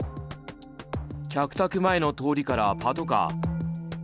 客宅前の通りからパトカー。